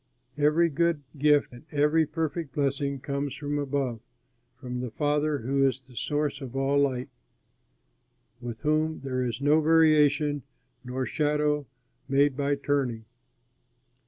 Every good gift and every perfect blessing comes from above, from the Father who is the source of all light, with whom there is no variation nor shadow made by turning.